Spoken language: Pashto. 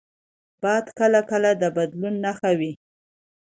باد کله کله د بدلون نښه وي